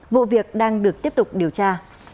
vụ việc đang được tiếp tục điều tra